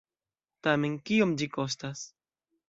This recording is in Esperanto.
Tamen, kiom ĝi kostas?